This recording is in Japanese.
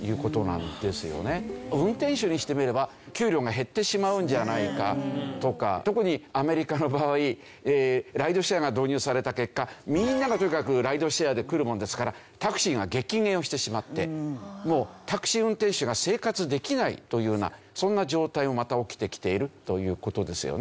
運転手にしてみれば給料が減ってしまうんじゃないかとか特にアメリカの場合ライドシェアが導入された結果みんながとにかくライドシェアで来るもんですからタクシーが激減をしてしまってもうタクシー運転手が生活できないというようなそんな状態もまた起きてきているという事ですよね。